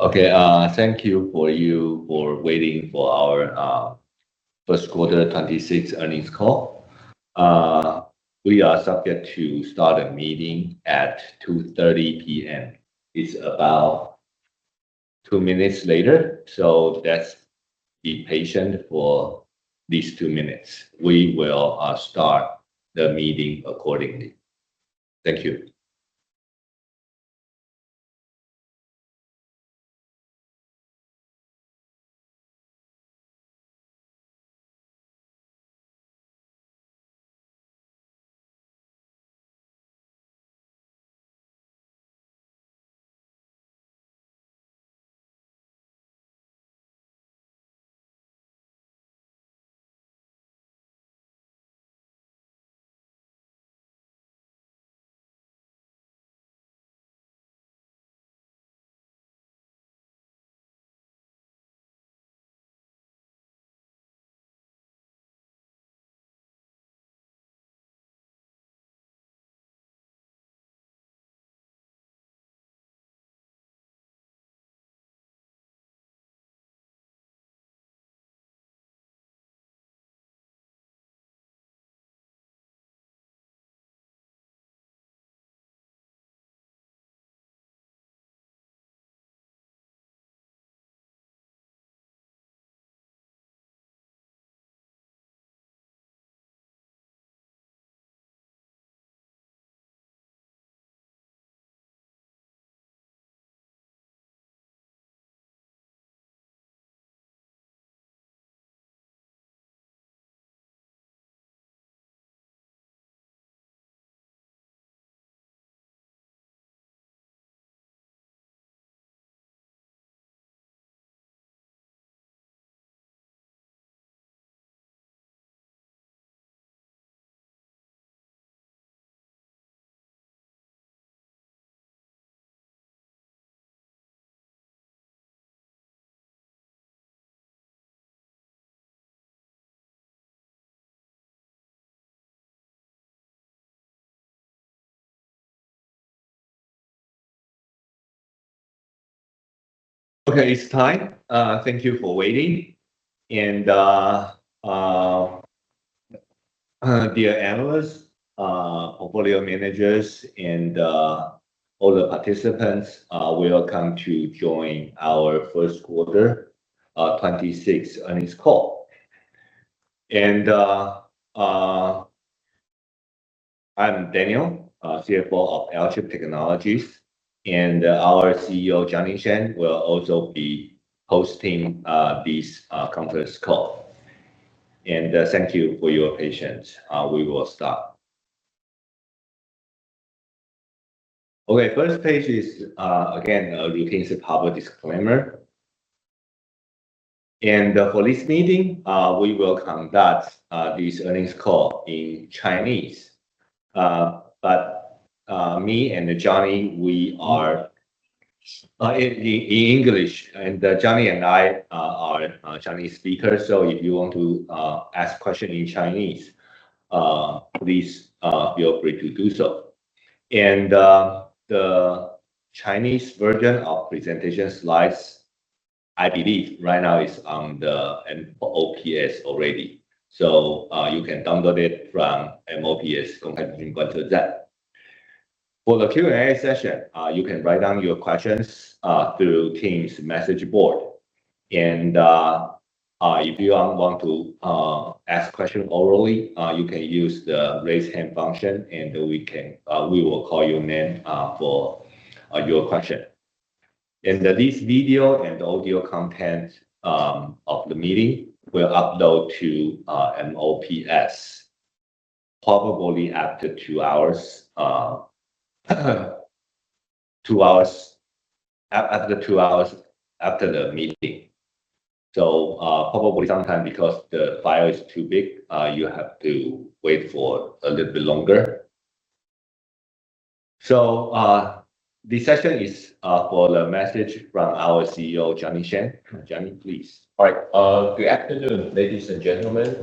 Okay, thank you for you for waiting for our first quarter 2026 earnings call. We are subject to start a meeting at 2:30 P.M. It's about two minutes later, so let's be patient for these two minutes. We will start the meeting accordingly. Thank you. Okay, it's time. Thank you for waiting. Dear analysts, portfolio managers and all the participants, welcome to join our first quarter 2026 earnings call. I'm Daniel, CFO of Alchip Technologies, and our CEO, Johnny Shen, will also be hosting this conference call. Thank you for your patience. We will start. Okay, first page is again, contains the public disclaimer. For this meeting, we will conduct this earnings call in Chinese. Me and Johnny, we are in English. Johnny and I are Chinese speakers, if you want to ask question in Chinese, please feel free to do so. The Chinese version of presentation slides, I believe right now is on the MOPS already. You can download it from MOPS. For the Q&A session, you can write down your questions through Teams message board. If you want to ask question orally, you can use the raise hand function, we will call your name for your question. This video and audio content of the meeting will upload to MOPS probably after two hours after the meeting. Probably sometime because the file is too big, you have to wait for a little bit longer. This session is for the message from our CEO, Johnny Shen. Johnny, please. All right. Good afternoon, ladies and gentlemen.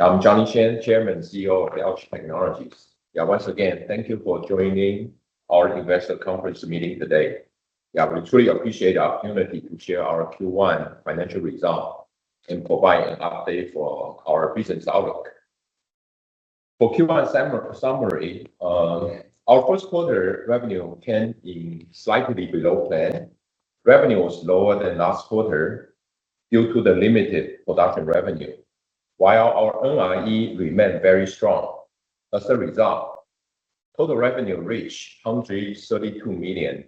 I'm Johnny Shen, Chairman and CEO of Alchip Technologies. Once again, thank you for joining our investor conference meeting today. We truly appreciate the opportunity to share our Q1 financial result and provide an update for our business outlook. For Q1 summary, our first quarter revenue came in slightly below plan. Revenue was lower than last quarter due to the limited production revenue, while our NRE remained very strong. As a result, total revenue reached $132 million,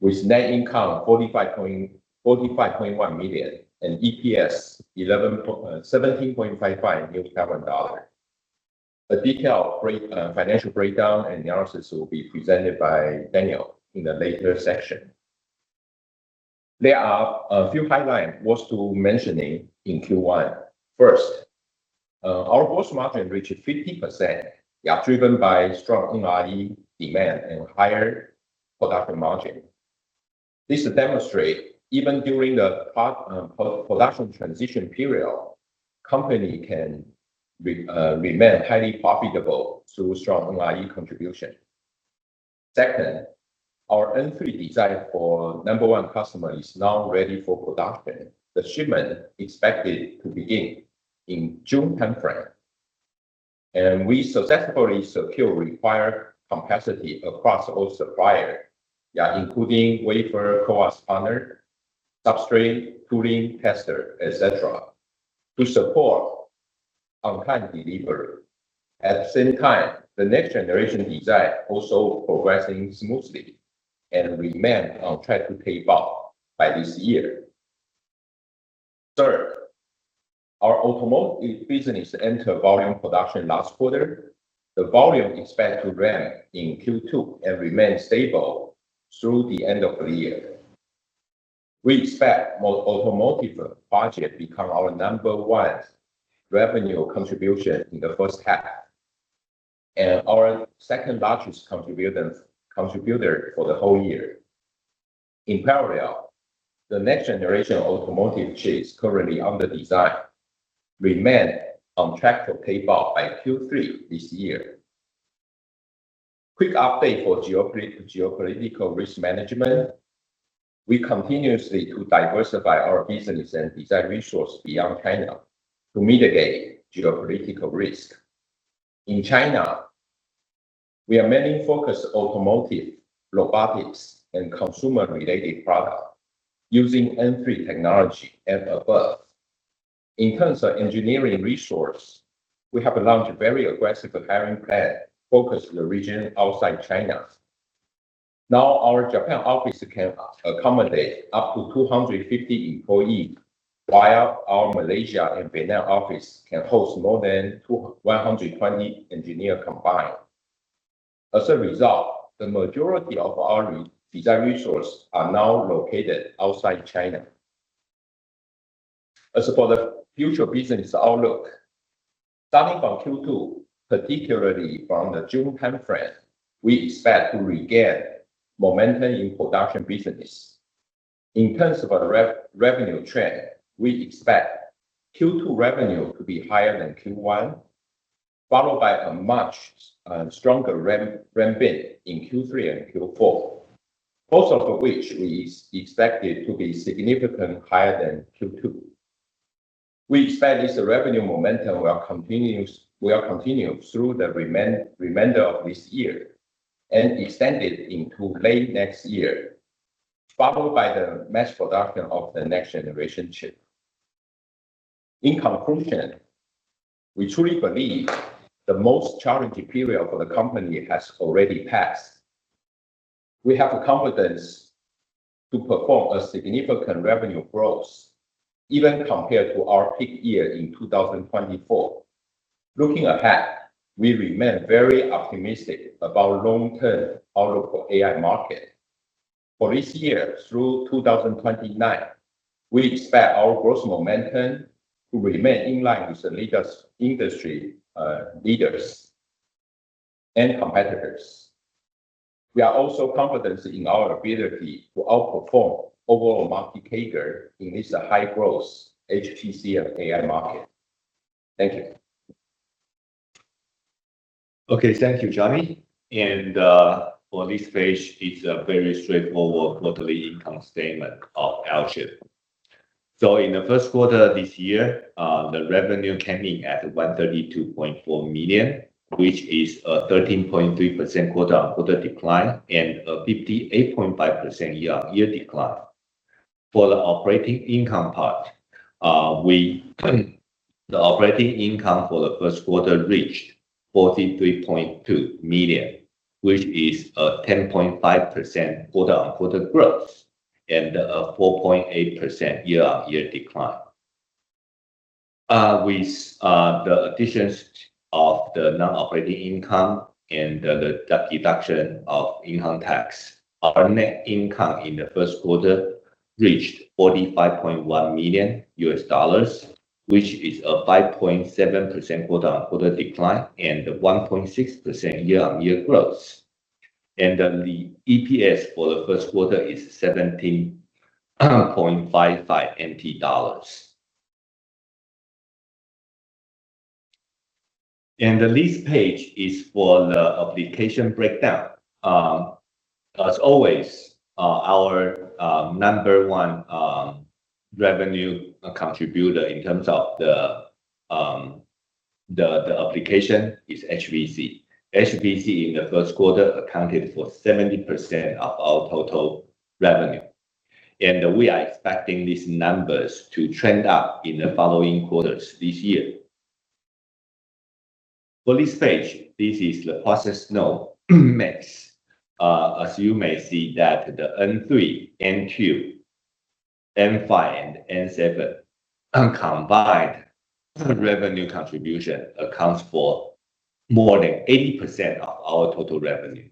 with net income 45.1 million, and EPS 17.55 dollar. A detailed financial breakdown and analysis will be presented by Daniel in a later section. There are a few highlight worth to mentioning in Q1. First, our gross margin reached 50%, driven by strong NRE demand and higher production margin. This demonstrate even during the pre-production transition period, company can remain highly profitable through strong NRE contribution. Second, our N3 design for number one customer is now ready for production. The shipment expected to begin in June timeframe. We successfully secure required capacity across all supplier, including wafer, CoWoS partnering, substrate, cooling, tester, etc., to support on time delivery. At the same time, the next generation design also progressing smoothly and remain on track to tape out by this year. Third, our automotive business enter volume production last quarter. The volume expect to ramp in Q2 and remain stable through the end of the year. We expect automotive business become our number one revenue contribution in the first half, and our second-largest contributor for the whole year. In parallel, the next generation automotive chips currently under design remain on track to tape out by Q3 this year. Quick update for geopolitical risk management. We continuously to diversify our business and design resource beyond China to mitigate geopolitical risk. In China, we are mainly focused automotive, robotics, and consumer-related product using N3 technology and above. In terms of engineering resource, we have launched a very aggressive hiring plan focused in the region outside China. Now our Japan office can accommodate up to 250 employee, while our Malaysia and Vietnam office can host more than 120 engineer combined. As a result, the majority of our design resource are now located outside China. As for the future business outlook, starting from Q2, particularly from the June timeframe, we expect to regain momentum in production business. In terms of a revenue trend, we expect Q2 revenue to be higher than Q1, followed by a much stronger ramp in Q3 and Q4, both of which we expect it to be significant higher than Q2. We expect this revenue momentum will continue through the remainder of this year and extended into late next year, followed by the mass production of the next generation chip. In conclusion, we truly believe the most challenging period for the company has already passed. We have confidence to perform a significant revenue growth even compared to our peak year in 2024. Looking ahead, we remain very optimistic about long-term outlook for AI market. For this year through 2029, we expect our growth momentum to remain in line with the industry leaders and competitors. We are also confident in our ability to outperform overall market CAGR in this high growth HPC and AI market. Thank you. Okay, thank you, Johnny. For this page, it's a very straightforward quarterly income statement of Alchip. In the first quarter this year, the revenue came in at 132.4 million, which is a 13.3% quarter-on-quarter decline and a 58.5% year-on-year decline. For the operating income part, the operating income for the first quarter reached 43.2 million, which is a 10.5% quarter-on-quarter growth and a 4.8% year-on-year decline. With the additions of the non-operating income and the deduction of income tax, our net income in the first quarter reached $45.1 million, which is a 5.7% quarter-on-quarter decline and 1.6% year-on-year growth. The EPS for the first quarter is 17.55 NT dollars. The last page is for the application breakdown. As always, our number one revenue contributor in terms of the application is HPC. HPC in the first quarter accounted for 70% of our total revenue, we are expecting these numbers to trend up in the following quarters this year. For this page, this is the process node mix. As you may see that the N3, N2, N5, and N7 combined revenue contribution accounts for more than 80% of our total revenue.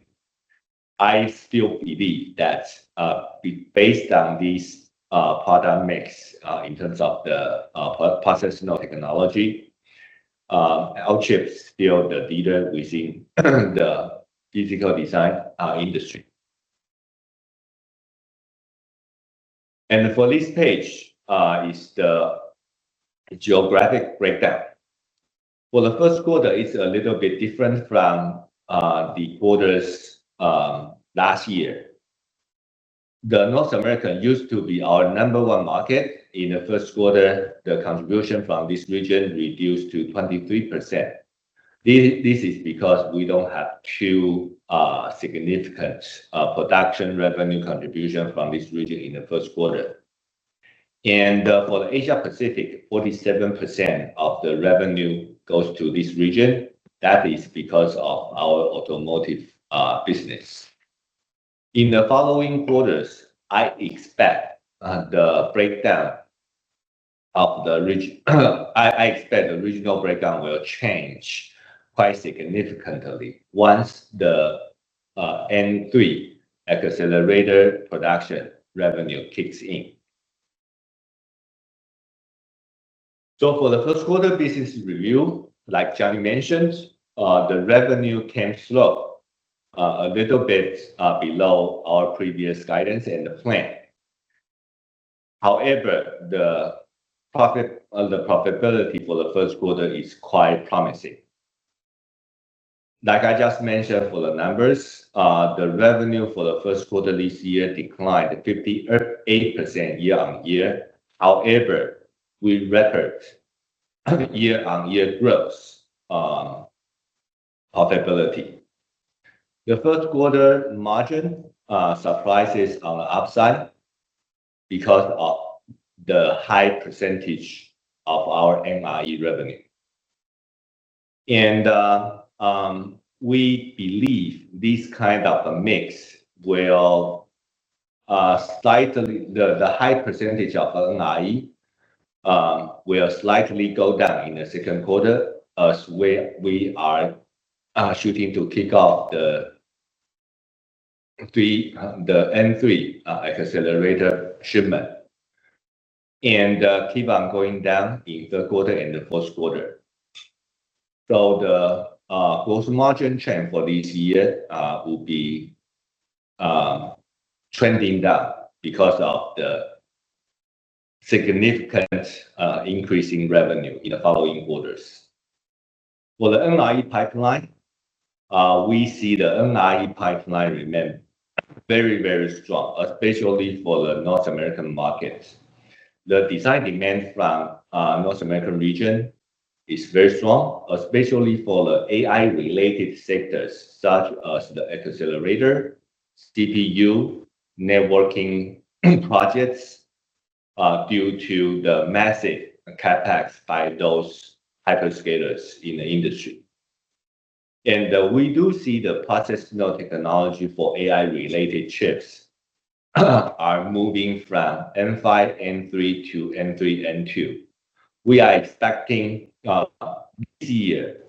I still believe that, based on this product mix, in terms of the process node technology, Alchip's still the leader within the physical design industry. For this page is the geographic breakdown. For the first quarter, it's a little bit different from the quarters last year. North America used to be our number one market. In the first quarter, the contribution from this region reduced to 23%. This is because we don't have two significant production revenue contribution from this region in the first quarter. For the Asia Pacific, 47% of the revenue goes to this region. That is because of our automotive business. In the following quarters, I expect the regional breakdown will change quite significantly once the N3 accelerator production revenue kicks in. For the first quarter business review, like Johnny mentioned, the revenue came slow, a little bit below our previous guidance and the plan. However, the profit, the profitability for the first quarter is quite promising. Like I just mentioned for the numbers, the revenue for the first quarter this year declined 58% year-on-year. However, we record year-on-year growth profitability. The first quarter margin surprises on the upside because of the high percentage of our NRE revenue. We believe this kind of a mix will slightly, the high percentage of NRE will slightly go down in the second quarter as we are shooting to kick off the N3 accelerator shipment, and keep on going down in third quarter and the fourth quarter. The gross margin trend for this year will be trending down because of the significant increase in revenue in the following quarters. For the NRE pipeline, we see the NRE pipeline remain very strong, especially for the North American market. The design demand from North American region is very strong, especially for the AI-related sectors, such as the accelerator, CPU, networking projects, due to the massive CapEx by those hyperscalers in the industry. We do see the process node technology for AI-related chips are moving from N5, N3 to N3, N2. We are expecting this year,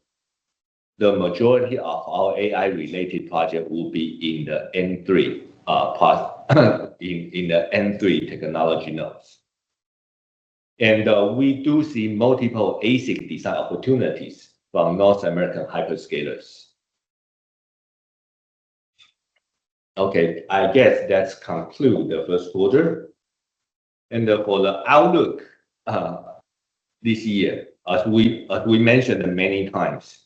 the majority of our AI-related project will be in the N3 technology nodes. We do see multiple ASIC design opportunities from North American hyperscalers. Okay, I guess that's conclude the first quarter. For the outlook this year, as we mentioned many times,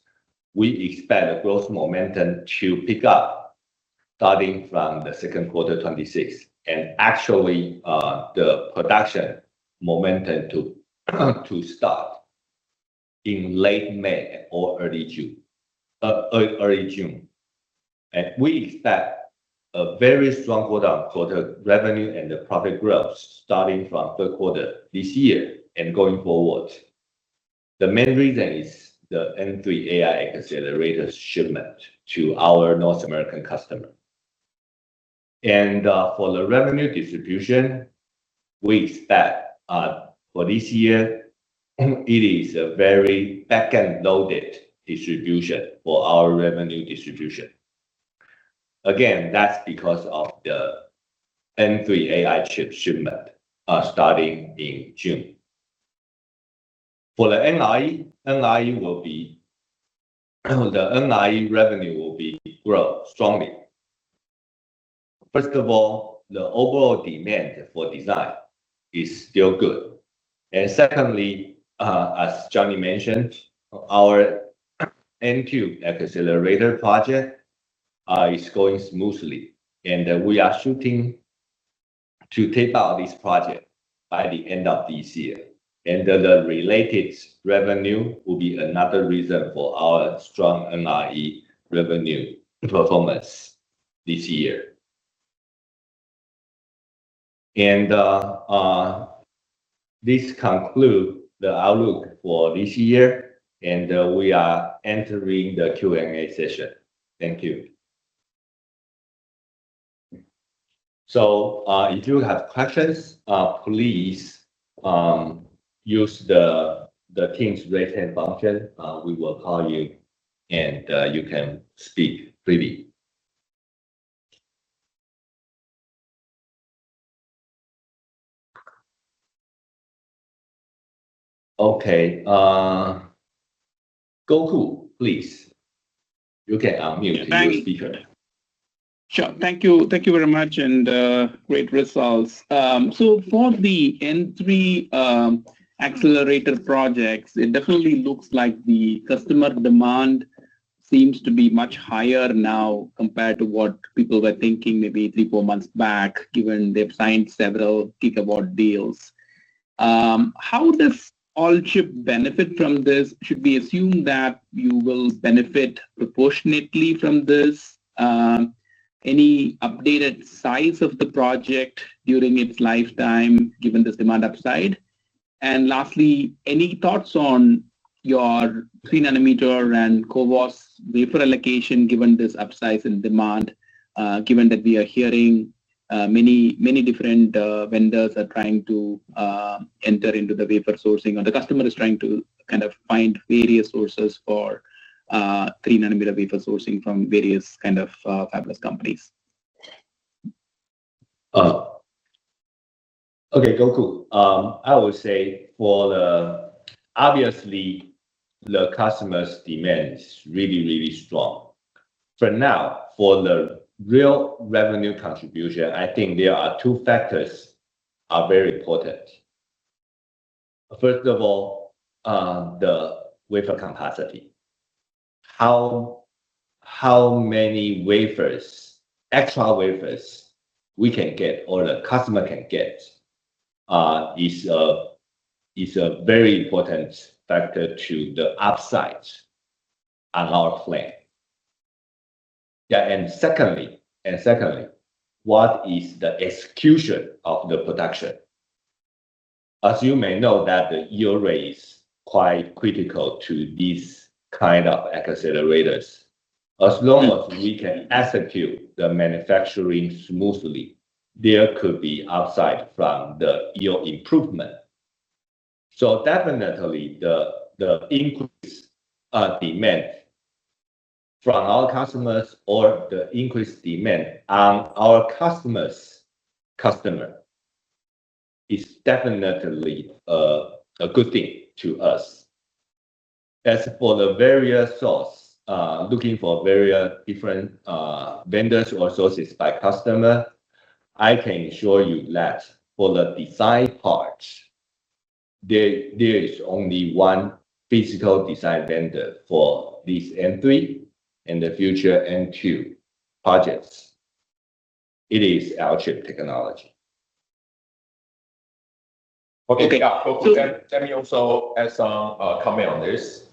we expect the growth momentum to pick up starting from the second quarter 2026, and actually, the production momentum to start in late May or early June. We expect a very strong quarter for the revenue and the profit growth starting from third quarter this year and going forward. The main reason is the N3 AI accelerator shipment to our North American customer. For the revenue distribution, we expect for this year, it is a very back-end loaded distribution for our revenue distribution. Again, that's because of the N3 AI chip shipment starting in June. For the NRE, the NRE revenue will be grow strongly. First of all, the overall demand for design is still good. Secondly, as Johnny mentioned, our N2 accelerator project is going smoothly. We are shooting to tape out this project by the end of this year. The related revenue will be another reason for our strong NRE revenue performance this year. This conclude the outlook for this year, we are entering the Q&A session. Thank you. If you have questions, please use the Teams raise hand function. We will call you can speak freely. Okay. Gokul, please. You can unmute your speaker. Thank you. Sure. Thank you. Thank you very much. Great results. For the N3 accelerator projects, it definitely looks like the customer demand seems to be much higher now compared to what people were thinking maybe three, four months back, given they've signed several gigawatt deals. How does Alchip benefit from this? Should we assume that you will benefit proportionately from this? Any updated size of the project during its lifetime, given this demand upside? Lastly, any thoughts on your 3-nanometer and CoWoS wafer allocation given this upside in demand, given that we are hearing many different vendors are trying to enter into the wafer sourcing, or the customer is trying to kind of find various sources for 3 nm wafer sourcing from various kind of fabless companies? Okay, Gokul. I would say for the Obviously, the customers' demand is really, really strong. For now, for the real revenue contribution, I think there are two factors are very important. First of all, the wafer capacity. How many wafers, extra wafers we can get or the customer can get, is a very important factor to the upside on our plan. Secondly, what is the execution of the production? As you may know that the yield rate is quite critical to these kind of accelerators. As long as we can execute the manufacturing smoothly, there could be upside from the yield improvement. Definitely the increased demand from our customers or the increased demand on our customer's customer is definitely a good thing to us. As for the various source, looking for various different vendors or sources by customer, I can assure you that for the design parts, there is only one physical design vendor for this N3 and the future N2 projects. It is Alchip Technologies. Okay, cool. Okay. Yeah, Gokul, let me also add some comment on this.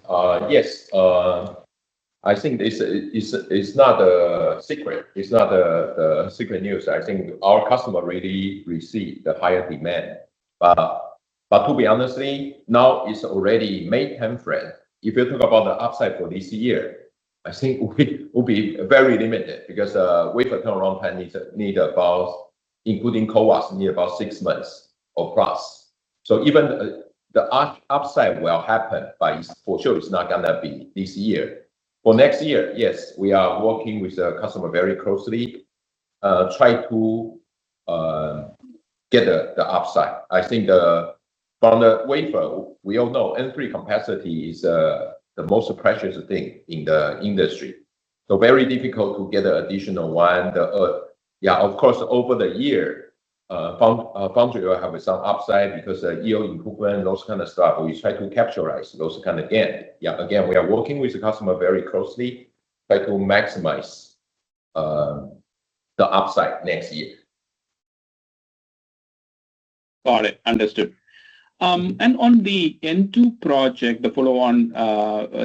Yes, I think this is not a secret. It's not a secret news. I think our customer already received the higher demand. To be honestly, now it's already May time frame. If you talk about the upside for this year, I think it will be very limited because wafer turnaround time need about, including CoWoS, need about six months or plus. Even the upside will happen, but it's, for sure it's not gonna be this year. For next year, yes, we are working with the customer very closely, try to get the upside. I think, from the wafer, we all know N3 capacity is the most precious thing in the industry. Very difficult to get additional one. Yeah, of course, over the year, foundry will have some upside because yield improvement, those kind of stuff. We try to capitalize those kind of gain. Yeah. Again, we are working with the customer very closely. We try to maximize the upside next year. Got it. Understood. On the N2 project, the follow-on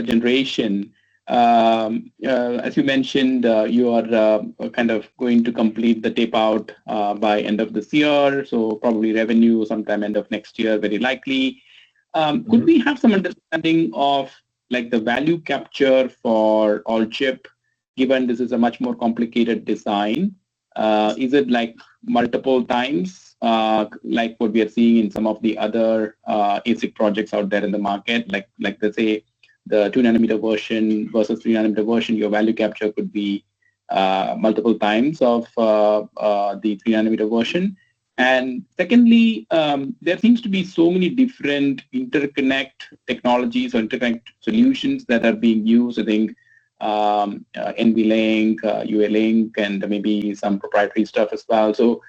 generation, as you mentioned, you are kind of going to complete the tape-out by end of this year, so probably revenue sometime end of next year, very likely could we have some understanding of, like, the value capture for Alchip, given this is a much more complicated design? Is it, like, multiple times, like what we are seeing in some of the other ASIC projects out there in the market? Like, let's say the 2 nm version versus 3 nm version, your value capture could be multiple times of the 3 nm version. Secondly, there seems to be so many different interconnect technologies or interconnect solutions that are being used. I think NVLink, UALink, and maybe some proprietary stuff as well.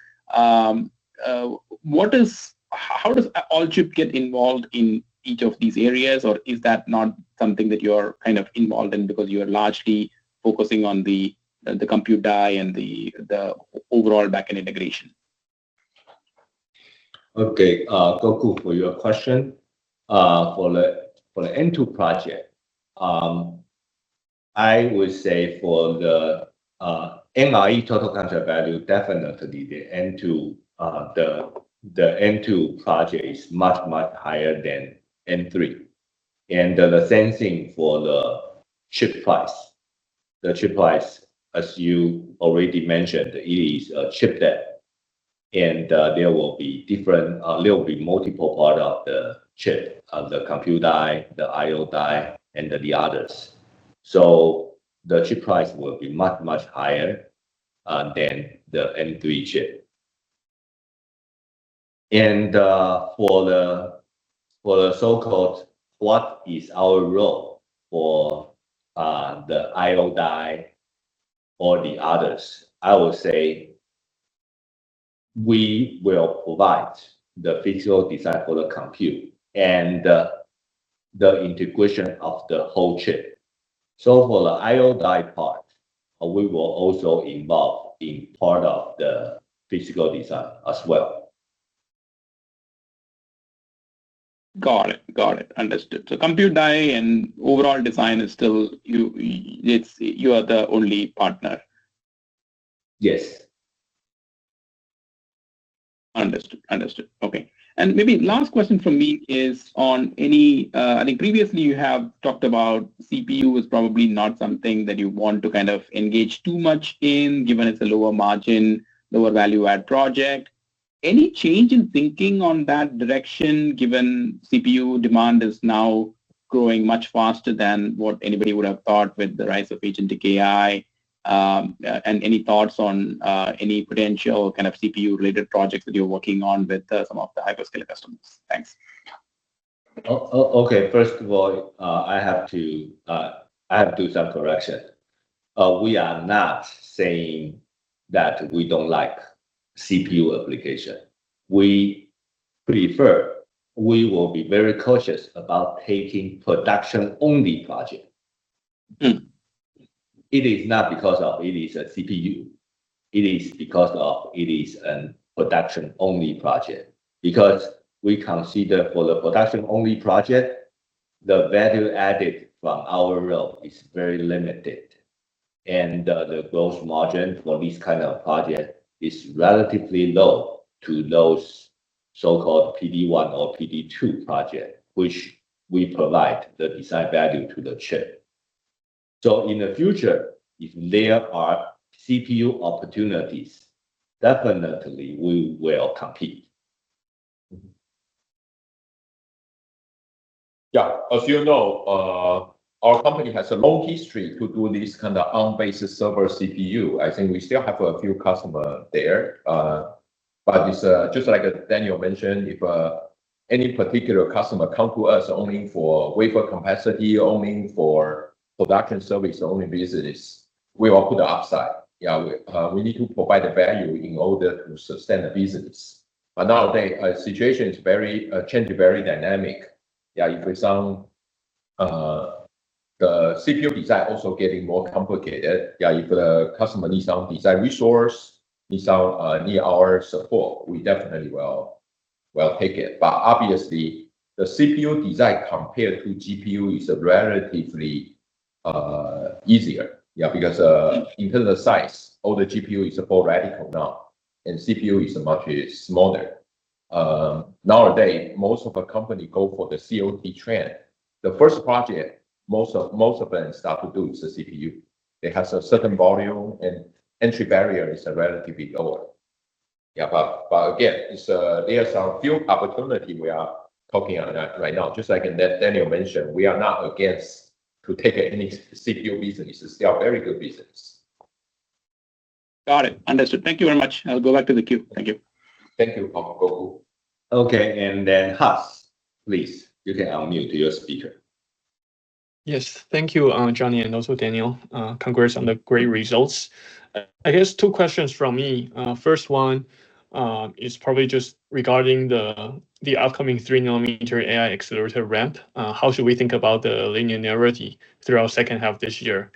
How does Alchip get involved in each of these areas, or is that not something that you're kind of involved in because you are largely focusing on the compute die and the overall backend integration? Okay, Gokul, for your question, for the N2 project, I would say for the NRE total contract value, definitely the N2 project is much, much higher than N3. The same thing for the chip price. The chip price, as you already mentioned, it is a chiplet, there will be multiple part of the chip, the compute die, the I/O die, and then the others. The chip price will be much, much higher than the N3 chip. For the so-called what is our role for the I/O die or the others, I would say we will provide the physical design for the compute and the integration of the whole chip. For the I/O die part, we will also involve in part of the physical design as well. Got it. Got it. Understood. Compute die and overall design is still you are the only partner. Yes. Understood. Understood. Okay. Maybe last question from me is on any, I think previously you have talked about CPU is probably not something that you want to kind of engage too much in, given it's a lower margin, lower value add project. Any change in thinking on that direction given CPU demand is now growing much faster than what anybody would have thought with the rise of agentic AI? Any thoughts on any potential kind of CPU-related projects that you're working on with some of the hyperscaler customers? Thanks. Okay. First of all, I have to do some correction. We are not saying that we don't like CPU application. We will be very cautious about taking production-only project. It is not because of it is a CPU, it is because of it is an production-only project. We consider for the production-only project, the value added from our role is very limited, and the gross margin for this kind of project is relatively low to those so-called PD 1 or PD 2 project, which we provide the design value to the chip. In the future, if there are CPU opportunities, definitely we will compete. As you know, our company has a long history to do this kind of on-premises server CPU. I think we still have a few customer there. It's just like Daniel mentioned, if any particular customer come to us only for wafer capacity, only for production service, only business, we walk to the upside. We need to provide the value in order to sustain the business. Nowadays, situation is very changing, very dynamic. If for some, the CPU design also getting more complicated. If the customer needs some design resource, needs some need our support, we definitely will take it. Obviously, the CPU design compared to GPU is relatively easier. Because, in terms of size, all the GPU is already full now, and CPU is much smaller. Nowadays, most of our company go for the COT trend. The first project most of them start to do is the CPU. It has a certain volume, and entry barrier is relatively lower. Yeah, again, it's, there are some few opportunity we are talking on that right now. Just like Daniel mentioned, we are not against to take any CPU businesses. They are very good business. Got it. Understood. Thank you very much. I'll go back to the queue. Thank you. Thank you, Gokul. Okay, Haas, please, you can unmute your speaker. Yes. Thank you, Johnny, and also Daniel. Congrats on the great results. I guess two questions from me. First one is probably just regarding the upcoming 3 nm AI accelerator ramp. How should we think about the linearity throughout second half this year?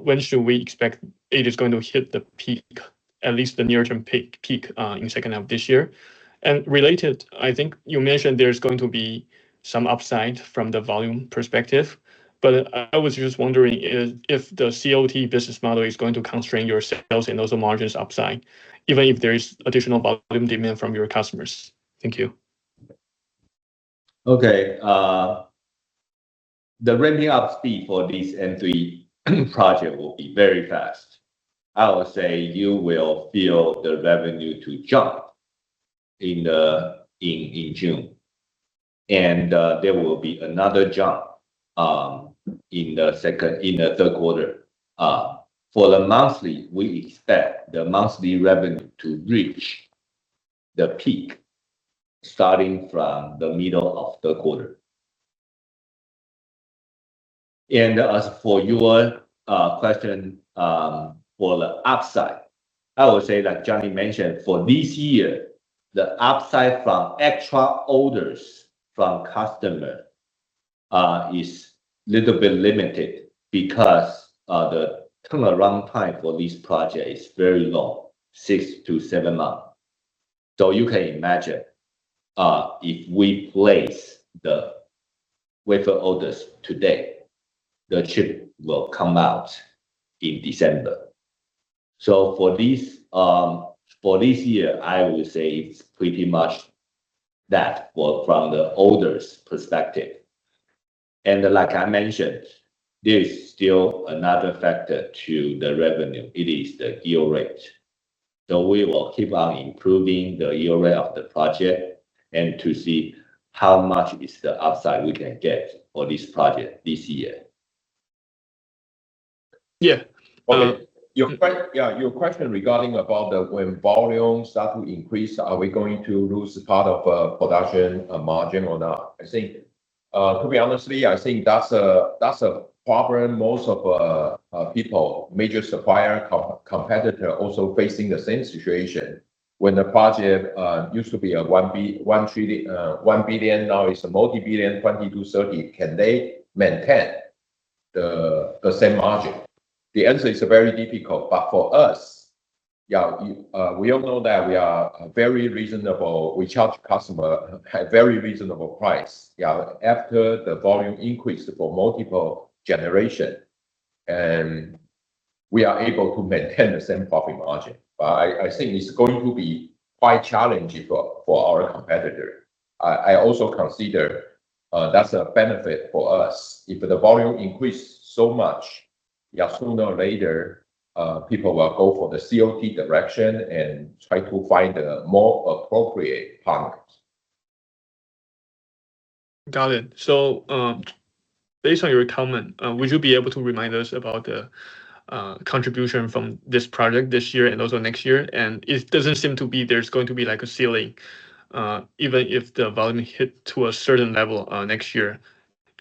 When should we expect it is going to hit the peak, at least the near-term peak, in second half of this year? Related, I think you mentioned there's going to be some upside from the volume perspective, but I was just wondering if the COT business model is going to constrain your sales and also margins upside, even if there is additional volume demand from your customers. Thank you. Okay. The ramping up speed for this N3 project will be very fast. I would say you will feel the revenue to jump in June, there will be another jump in the second, in the third quarter. For the monthly, we expect the monthly revenue to reach the peak starting from the middle of third quarter. As for your question, for the upside, I would say, like Johnny mentioned, for this year, the upside from extra orders from customer is little bit limited because the turnaround time for this project is very long, six to seven months. You can imagine, if we place the wafer orders today, the chip will come out in December. For this, for this year, I would say it's pretty much that from the orders perspective. Like I mentioned, there is still another factor to the revenue. It is the yield rate. We will keep on improving the yield rate of the project and to see how much is the upside we can get for this project this year. Yeah. Okay. Your question regarding about the when volume start to increase, are we going to lose part of production margin or not? I think, to be honestly, I think that's a problem most of people, major supplier competitor also facing the same situation. When the project used to be a 1 billion, now it's a multi-billion, 20 billion-30 billion. Can they maintain the same margin? The answer is very difficult. For us, we all know that we are very reasonable. We charge customer a very reasonable price. Yeah. After the volume increase for multiple generation, we are able to maintain the same profit margin. I think it's going to be quite challenging for our competitor. I also consider that's a benefit for us. If the volume increase so much, yeah, sooner or later, people will go for the COT direction and try to find a more appropriate partners. Got it. Based on your comment, would you be able to remind us about the contribution from this project this year and also next year? It doesn't seem to be there's going to be like a ceiling, even if the volume hit to a certain level next year,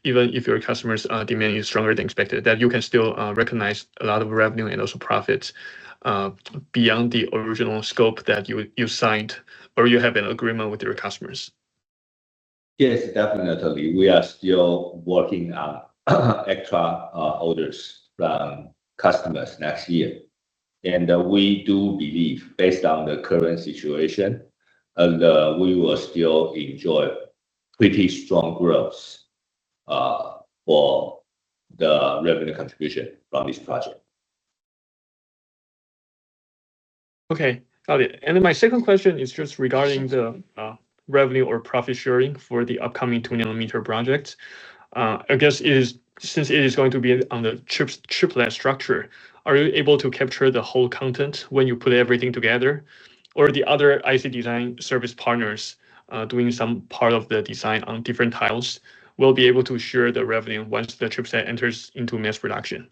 even if your customers are demanding stronger than expected, that you can still recognize a lot of revenue and also profits beyond the original scope that you signed, or you have an agreement with your customers? Yes, definitely. We are still working on extra orders from customers next year. We do believe, based on the current situation, and we will still enjoy pretty strong growth for the revenue contribution from this project. Okay. Got it. My second question is just regarding the revenue or profit sharing for the upcoming 2 nm project. I guess since it is going to be on the chip's chiplet structure, are you able to capture the whole content when you put everything together? The other IC design service partners doing some part of the design on different tiles will be able to share the revenue once the chipset enters into mass production.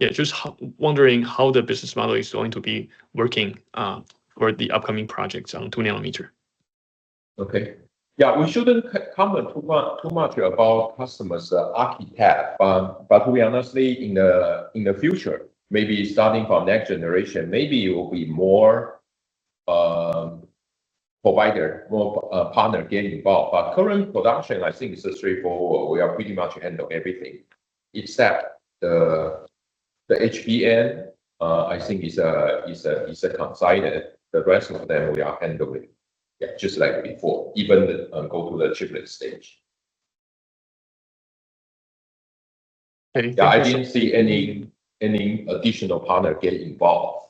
Just wondering how the business model is going to be working for the upcoming projects on 2 nm. Okay. Yeah, we shouldn't comment too much about customers, architecture, but we honestly, in the future, maybe starting from next generation, maybe it will be more provider, more partner get involved. Current production, I think, is a straightforward. We are pretty much handle everything. Except the HBM, I think is a consignor. The rest of them we are handling, yeah, just like before, even go to the chiplet stage. Okay. Yeah, I didn't see any additional partner get involved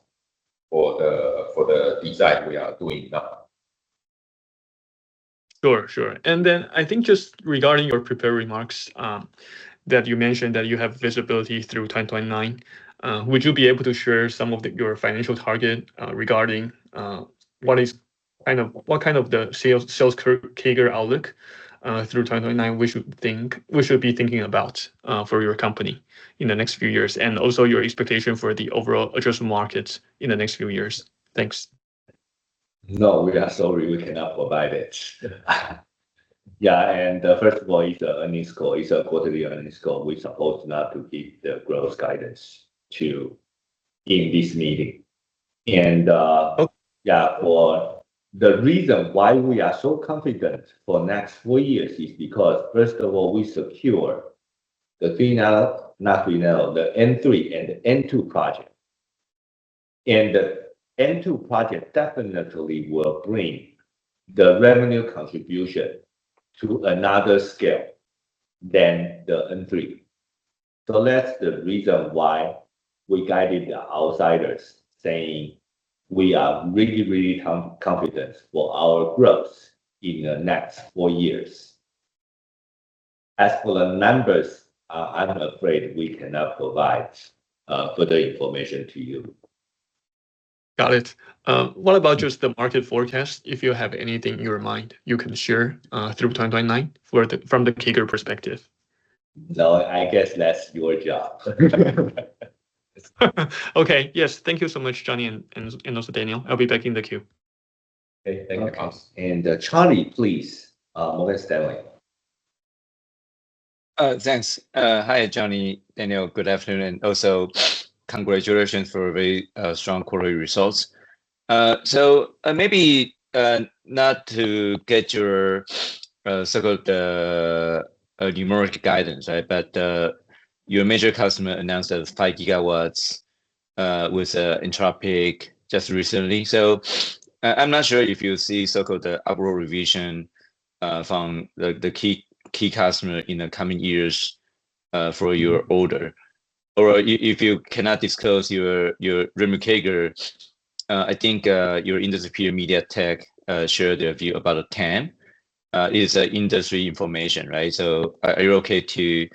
for the design we are doing now. Sure, sure. I think just regarding your prepared remarks, that you mentioned that you have visibility through 2029, would you be able to share some of your financial target regarding what kind of the sales CAGR outlook through 2029 we should be thinking about for your company in the next few years, and also your expectation for the overall addressable markets in the next few years? Thanks. No, we are sorry we cannot provide it. Yeah, first of all, it's a earnings call. It's a quarterly earnings call. We supposed not to give the growth guidance in this meeting. Okay For the reason why we are so confident for next four years is because, first of all, we secure the N3 and N2 project. The N2 project definitely will bring the revenue contribution to another scale than the N3. That's the reason why we guided the outsiders, saying we are really, really confident for our growth in the next four years. As for the numbers, I'm afraid we cannot provide further information to you. Got it. What about just the market forecast? If you have anything in your mind, you can share, through 2029 from the CAGR perspective. No, I guess that's your job. Okay. Yes. Thank you so much, Johnny, and also Daniel. I'll be back in the queue. Okay. Thank you. No problem. Charlie, please, Morgan Stanley. Thanks. Hi, Johnny, Daniel, good afternoon. Also, congratulations for a very strong quarterly results. Maybe not to get your so-called numeric guidance, right? Your major customer announced 5 GW with Anthropic just recently. I'm not sure if you see so-called upward revision from the key customer in the coming years for your order. If you cannot disclose your revenue CAGR, I think your industry peer MediaTek shared their view about 10%. It's industry information, right? Are you okay to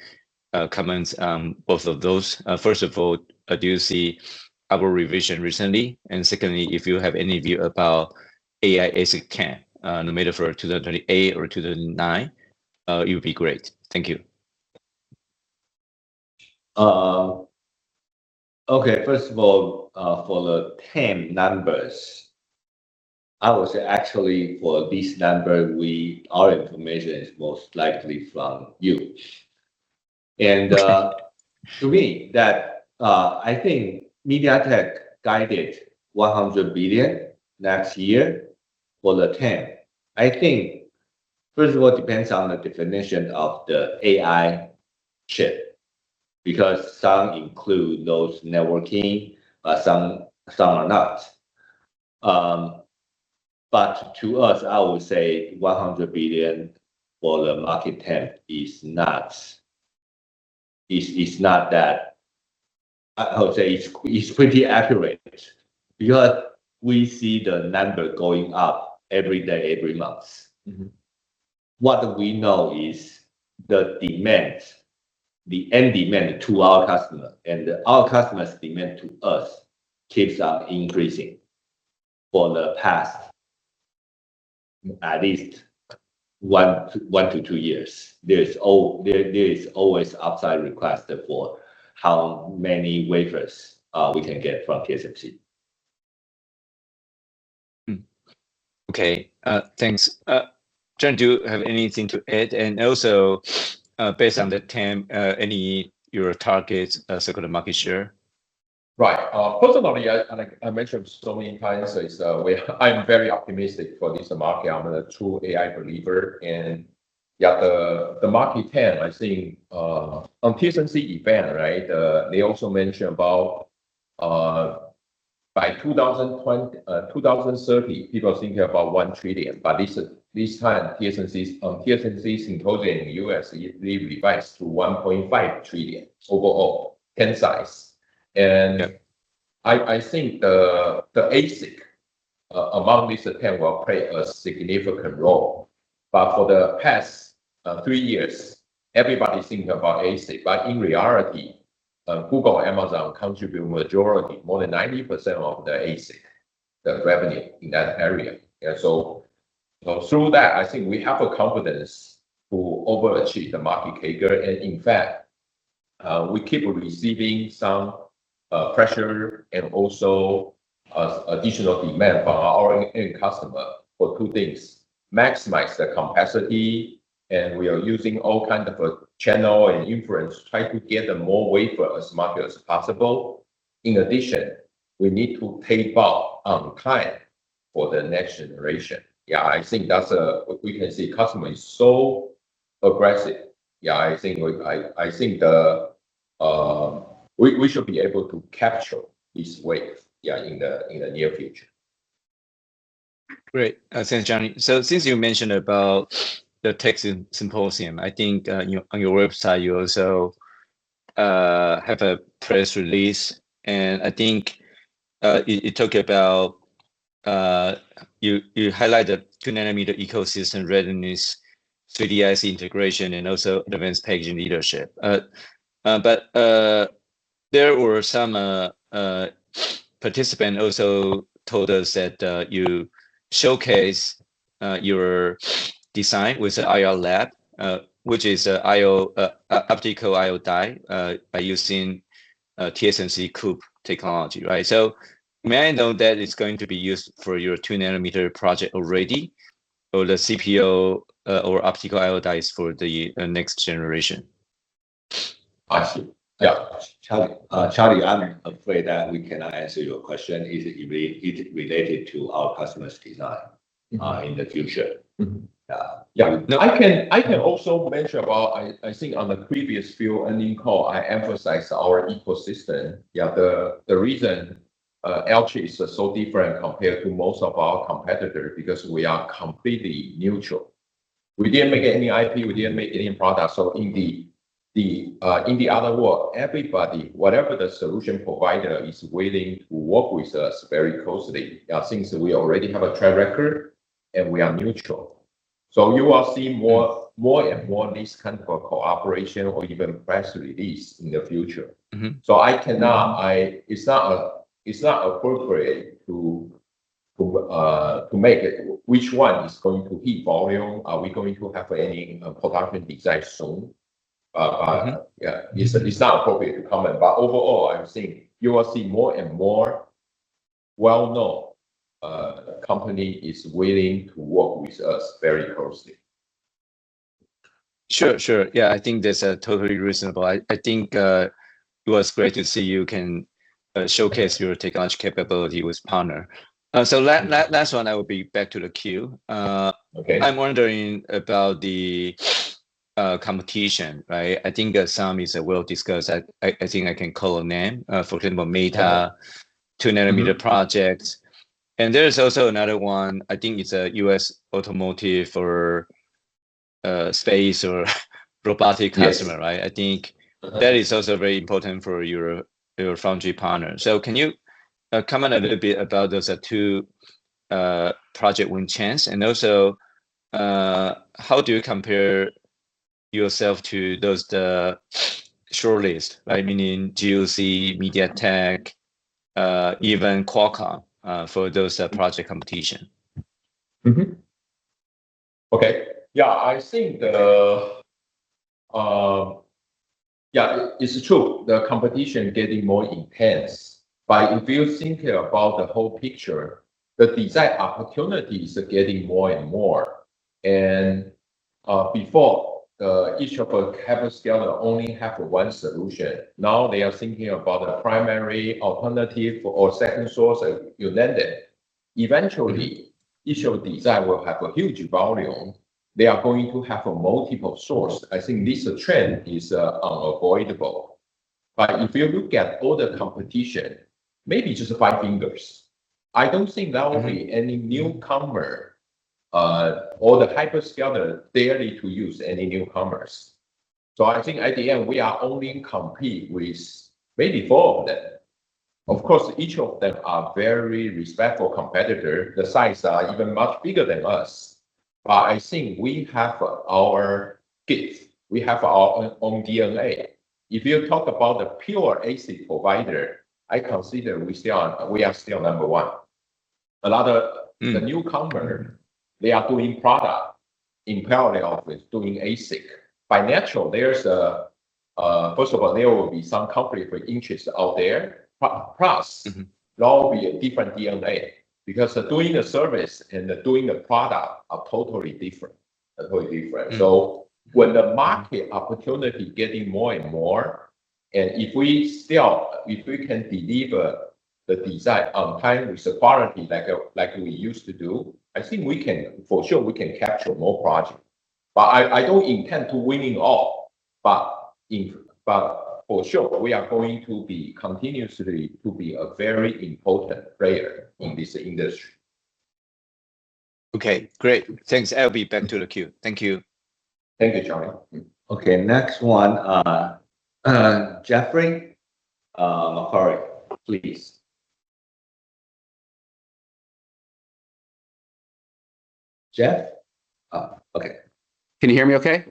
comment on both of those? First of all, do you see upward revision recently? Secondly, if you have any view about AI ASIC, no matter for 2028 or 2029. It would be great. Thank you. Okay. First of all, for the TAM numbers, I would say actually for this number, Our information is most likely from you, to me that, I think MediaTek guided 100 billion next year for the TAM. I think, first of all, it depends on the definition of the AI chip, because some include those networking, some are not. To us, I would say 100 billion for the market TAM is not that I would say it's pretty accurate because we see the number going up every day, every month. What we know is the demand, the end demand to our customer and our customer's demand to us keeps on increasing for the past at least one to two years. There is always upside request for how many wafers we can get from TSMC. Thanks. Johnny, do you have anything to add? Also, based on the TAM, any your targets, say, for the market share? Right. Personally, I, I mentioned so many times is I'm very optimistic for this market. The market TAM, I think, on TSMC event, right, they also mentioned about by 2020, 2030, people think about $1 trillion. This time, TSMC's symposium in U.S., they revised to $1.5 trillion overall TAM size. I think the ASIC among this TAM will play a significant role. For the past, three years, everybody think about ASIC, but in reality, Google, Amazon contribute majority, more than 90% of the ASIC, the revenue in that area. Through that, I think we have a confidence to overachieve the market CAGR. In fact, we keep receiving some pressure and also additional demand from our end customer for two things. Maximize the capacity, and we are using all kind of channel and influence to try to get a more wafer as much as possible. In addition, we need to tape out on time for the next generation. Yeah, I think We can see customer is so aggressive. Yeah, I think the we should be able to capture this wave, yeah, in the near future. Great. Thanks, Johnny. Since you mentioned about the tech symposium, I think on your, on your website, you also have a press release, and I think it talked about you highlight the 2 nm ecosystem readiness, 3D IC integration, and also advanced packaging leadership. There were some participant also told us that you showcase your design with the Ayar Labs, which is I/O optical I/O die, by using TSMC COUPE technology, right? May I know that it's going to be used for your 2 nm project already, or the CPO or optical I/O dies for the next generation? I see. Yeah. Charlie, I'm afraid that we cannot answer your question if it related to our customer's design in the future. Yeah. No, I can also mention about, I think on the previous few earnings call, I emphasized our ecosystem. The reason Alchip is so different compared to most of our competitor, because we are completely neutral. We didn't make any IP, we didn't make any product. In the other word, everybody, whatever the solution provider is willing to work with us very closely, since we already have a track record and we are neutral. You will see more, more and more this kind of a cooperation or even press release in the future. I cannot. It's not appropriate to make it which one is going to hit volume. Are we going to have any production design soon? Yeah, it's not appropriate to comment. Overall, you will see more and more well-known company is willing to work with us very closely. Sure, sure. I think that's totally reasonable. I think it was great to see you can showcase your technology capability with partner. Last one I will be back to the queue. Okay I'm wondering about the competition, right? I think that some is we'll discuss. I think I can call a name. For example, Meta. 2 nm project. There is also another one, I think it's a U.S. automotive or space or robotic customer. right? I think that is also very important for your foundry partner. Can you comment a little bit about those two project win chance? How do you compare yourself to those, the shortlist, right? Meaning GUC, MediaTek, even Qualcomm, for those project competition? Okay. Yeah, it's true, the competition getting more intense. If you think about the whole picture, the design opportunities are getting more and more. Before, each of the hyperscaler only have one solution. Now they are thinking about a primary alternative or second source, you know each of these will have a huge volume. They are going to have a multiple source. I think this trend is unavoidable. If you look at all the competition, maybe just five fingers. I don't think there will be any newcomer, or the hyperscaler, they are ready to use any newcomers. I think at the end, we are only in compete with maybe four of them. Of course, each of them are very respectful competitor. The size are even much bigger than us. I think we have our gift. We have our own DNA. If you talk about the pure ASIC provider, I consider we are still number one. The newcomer, they are doing product in parallel with doing ASIC. By natural, there's a First of all, there will be some company with interest out there, there will be a different DNA, because doing a service and doing a product are totally different. Totally different. When the market opportunity getting more and more, if we can deliver the design on time with the quality like we used to do, I think we can, for sure, we can capture more project. I don't intend to winning all. For sure, we are going to be continuously to be a very important player in this industry. Okay, great. Thanks. I'll be back to the queue. Thank you. Thank you, Charlie. Okay, next one, Jeffrey McCart, please. Jeff? Oh, okay. Can you hear me okay?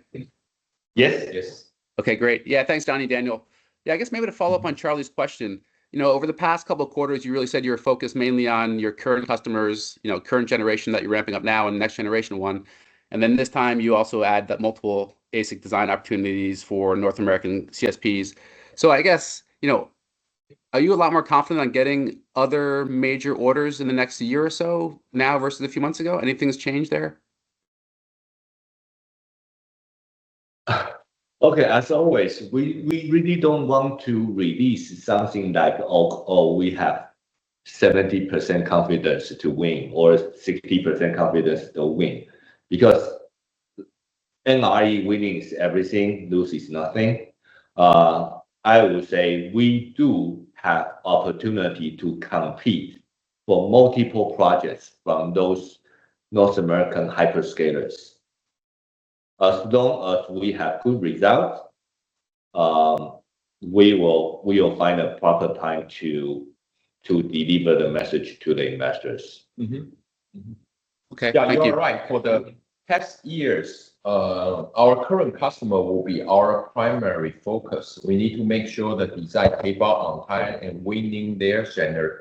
Yes, Yes. Okay, great. Yeah, thanks, Johnny, Daniel. Yeah, I guess maybe to follow up on Charlie's question, you know, over the past two quarters, you really said you were focused mainly on your current customers, you know, current generation that you're ramping up now and the next generation 1, and then this time you also add that multiple basic design opportunities for North American CSPs. I guess, you know, are you a lot more confident on getting other major orders in the next year or so now versus a few months ago? Anything's changed there? Okay. As always, we really don't want to release something like, oh, we have 70% confidence to win or 60% confidence to win because in AI, winning is everything, lose is nothing. I would say we do have opportunity to compete for multiple projects from those North American hyperscalers. As long as we have good results, we will find a proper time to deliver the message to the investors. Mm-hmm. Mm-hmm. Okay. Thank you. Yeah, you are right. For the next years, our current customer will be our primary focus. We need to make sure the design tapeout on time and winning their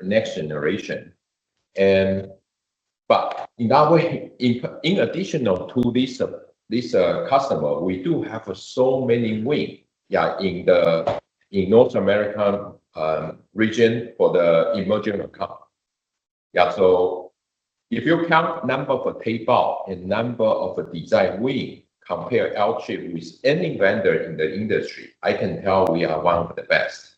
next generation. In that way, in additional to this customer, we do have so many win, yeah, in the North American region for the emerging account. Yeah, if you count number of a tapeout and number of a design win, compare Alchip with any vendor in the industry, I can tell we are one of the best.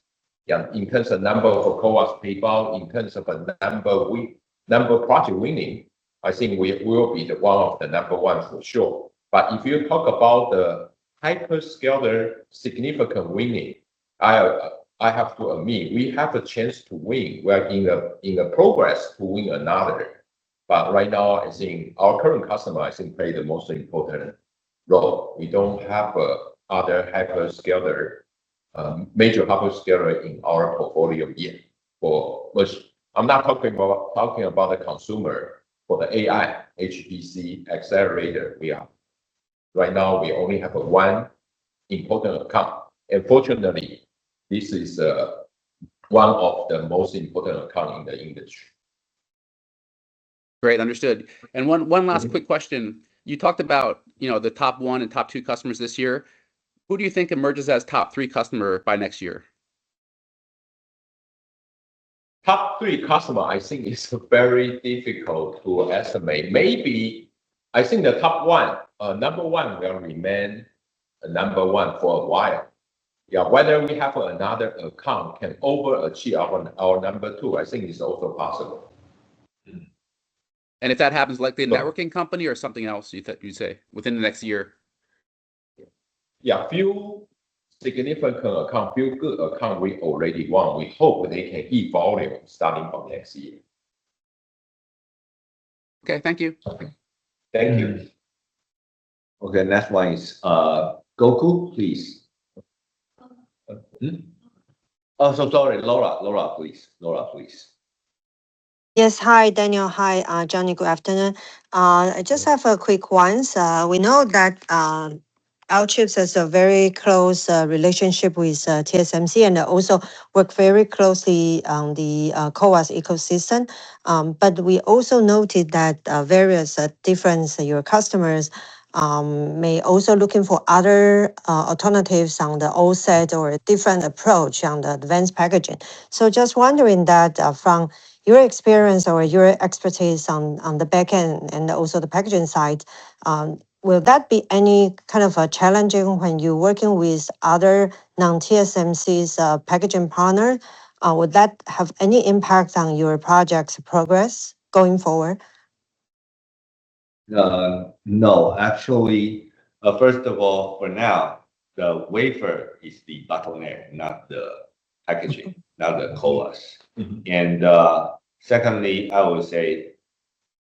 Yeah. In terms of number of COT tapeout, in terms of a number win, number of project winning, I think we will be the one of the number ones for sure. If you talk about the hyperscaler significant winning, I have to admit, we have a chance to win. We are in the progress to win another. Right now, I think our current customer, I think, play the most important role. We don't have a other hyperscaler, major hyperscaler in our portfolio yet. I'm not talking about the consumer. For the AI HPC accelerator, we are. Right now, we only have one important account. Unfortunately, this is one of the most important account in the industry. Great. Understood. One last quick question. You talked about, you know, the top one and top two customers this year. Who do you think emerges as top three customer by next year? Top three customer I think is very difficult to estimate. Maybe, I think the top one, number one will remain number one for a while. Yeah. Whether we have another account can overachieve our number two, I think is also possible. If that happens, like the networking company or something else, you'd say within the next year? Yeah. Few significant account, few good account we already won. We hope they can give volume starting from next year. Okay. Thank you. Thank you. Okay, next one is, Gokul, please. Hmm? Oh, so sorry. Laura. Laura, please. Yes. Hi, Daniel. Hi, Johnny. Good afternoon. I just have a quick ones. We know that Alchip has a very close relationship with TSMC, and also work very closely on the CoWoS ecosystem. We also noted that various different your customers may also looking for other alternatives on the OSAT or a different approach on the advanced packaging. Just wondering that from your experience or your expertise on the back end and also the packaging side, will that be any kind of challenging when you're working with other non-TSMC's packaging partner? Would that have any impact on your project's progress going forward? No. Actually, first of all, for now, the wafer is the bottleneck, not the packaging, not the CoWoS. Secondly, I would say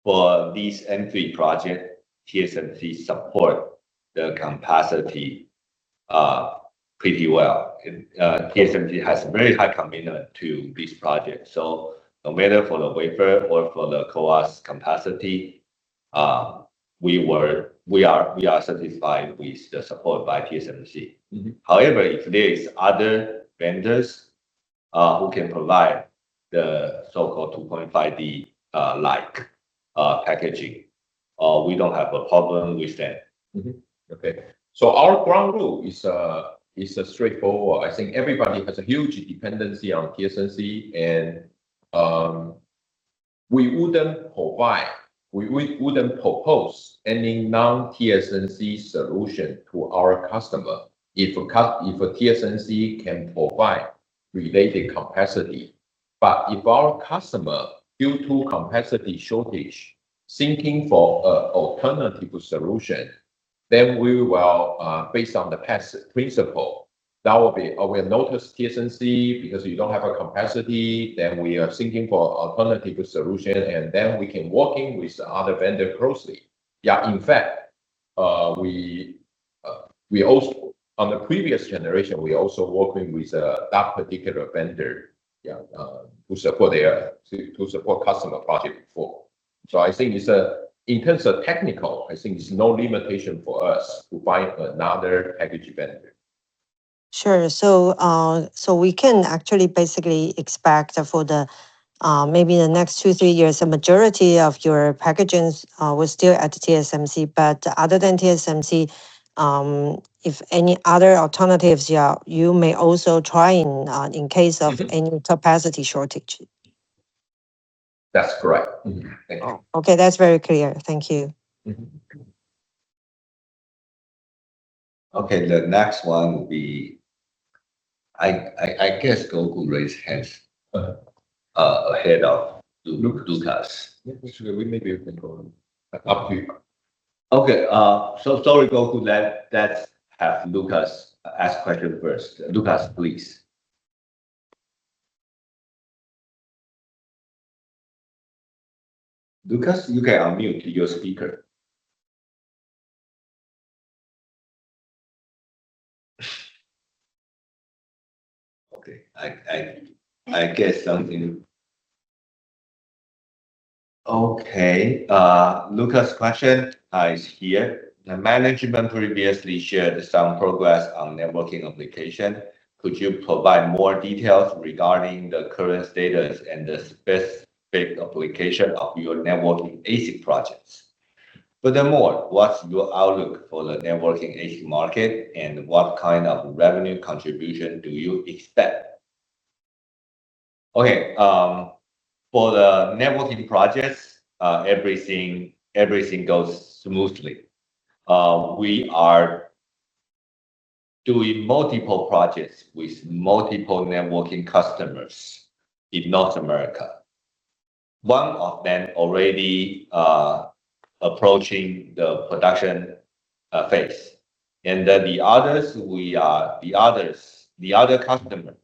for this N3 project, TSMC support the capacity pretty well. TSMC has very high commitment to this project. No matter for the wafer or for the CoWoS capacity, we are satisfied with the support by TSMC. However, if there is other vendors who can provide the so-called 2.5D, like packaging, we don't have a problem with that. Okay. Our ground rule is straightforward. I think everybody has a huge dependency on TSMC, we wouldn't provide, we wouldn't propose any non-TSMC solution to our customer if a TSMC can provide related capacity. If our customer, due to capacity shortage, seeking for a alternative solution, we will, based on the past principle, that will be, we will notice TSMC, because you don't have a capacity. We are seeking for alternative solution. We can working with the other vendor closely. Yeah. In fact, we also. On the previous generation, we also working with that particular vendor, yeah, who support their to support customer project before. I think it's, in terms of technical, I think it's no limitation for us to find another packaging vendor. Sure. We can actually basically expect for the maybe the next two to three years, the majority of your packagings will still at TSMC. Other than TSMC, if any other alternatives, yeah, you may also try in case of any capacity shortage. That's correct. Mm-hmm. Okay, that's very clear. Thank you. The next one will be I guess Gokul raised hands ahead of Lucas. For sure. We maybe can go on. Up to you. Sorry, Gokul. Let's have Lucas ask question first. Lucas, please. Lucas, you can unmute your speaker. Lucas' question is here. The management previously shared some progress on networking application. Could you provide more details regarding the current status and the specific application of your networking ASIC projects? Furthermore, what's your outlook for the networking ASIC market, and what kind of revenue contribution do you expect? For the networking projects, everything goes smoothly. We are doing multiple projects with multiple networking customers in North America. One of them already approaching the production phase. The other customer,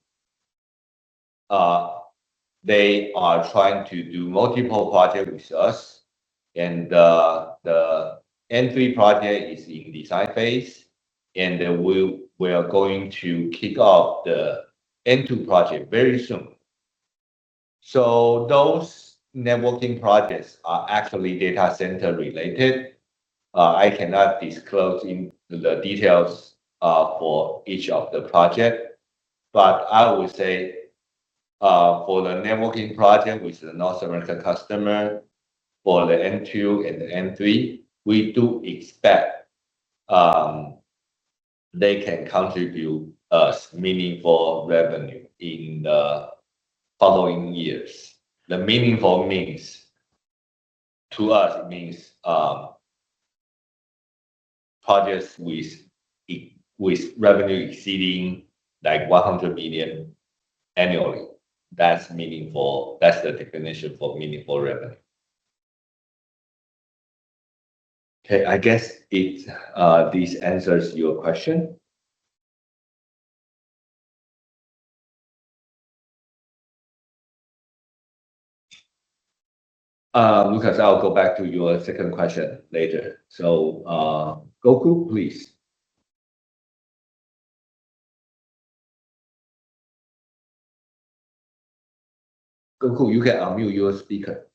they are trying to do multiple project with us. The N3 project is in design phase, we are going to kick off the N2 project very soon. Those networking projects are actually data center related. I cannot disclose the details for each of the project. I would say, for the networking project with the North American customer, for the N2 and the N3, we do expect they can contribute us meaningful revenue in the following years. The meaningful means, to us it means, projects with revenue exceeding, like, 100 million annually. That's meaningful. That's the definition for meaningful revenue. I guess this answers your question. Lucas, I'll go back to your second question later. Gokul, please. Gokul, you can unmute your speaker.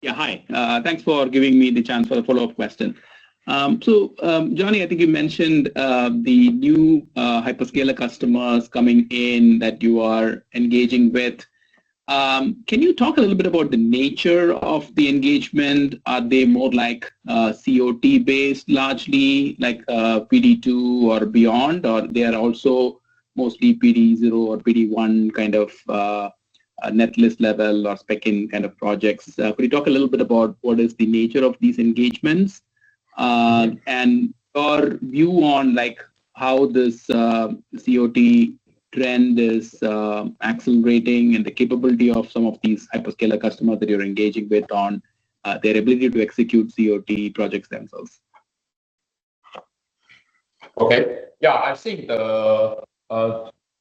Yeah, hi. Thanks for giving me the chance for the follow-up question. Johnny, I think you mentioned the new hyperscaler customers coming in that you are engaging with. Can you talk a little bit about the nature of the engagement? Are they more like COT based largely, like PD 2 or beyond, or they are also mostly PD 0 or PD 1 kind of netlist level or spec-in kind of projects? Could you talk a little bit about what is the nature of these engagements? Your view on, like, how this COT trend is accelerating and the capability of some of these hyperscaler customers that you're engaging with on their ability to execute COT project themselves? Okay. Yeah, I think, to